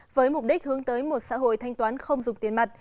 với mục đích hướng tới một xã hội thanh toán không dùng tiền mặt